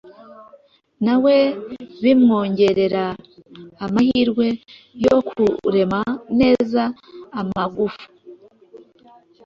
nawe bimwongerera amahirwe yo kurema neza amagufa,